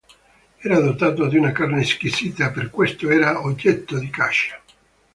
Era dotato di una carne squisita e per questo era oggetto di caccia.